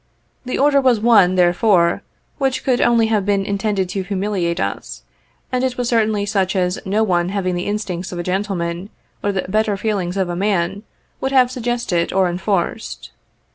The order was one, therefore, which could only have been intended to humiliate us, and it was certainly such as no one having the instincts of a gentleman, or the better feelings of a man, would have suggested or enforced.